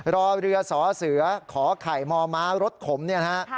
รอเรือสอเสือขอไข่ม้ารถขมเนี่ยนะฮะ